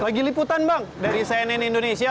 lagi liputan bang dari cnn indonesia